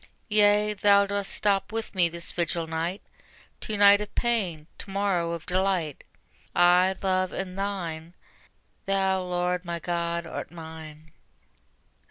Yea, Thou dost stop with me this vigil night; To night of pain, to morrow of delight: I, Love, am Thine; Thou, Lord, my God, art mine.